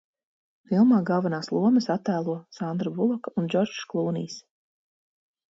Filmā galvenās lomas attēlo Sandra Buloka un Džordžs Klūnijs.